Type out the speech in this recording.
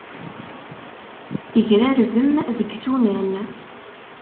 Tegrarbem deg yisunan.